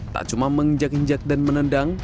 tak cuma menginjak injak dan menendang